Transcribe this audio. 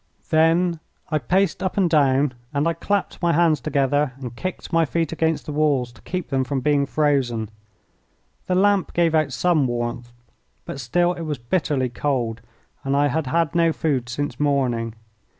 Then I paced up and down, and I clapped my hands together and kicked my feet against the walls to keep them from being frozen. The lamp gave out some warmth, but still it was bitterly cold, and I had had no food since morning.